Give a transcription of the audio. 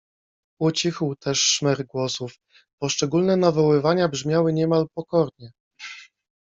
Ucichł też szmer głosów, poszczególne nawoływania brzmiały niemal pokornie.